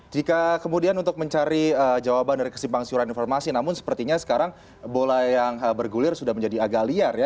jika kemudian untuk mencari jawaban dari kesimpang siuran informasi namun sepertinya sekarang bola yang bergulir sudah menjadi agak liar ya